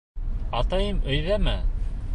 Атайым өйҙәме?